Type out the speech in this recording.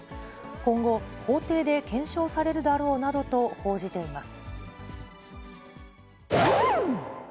今後、法廷で検証されるだろうなどと報じています。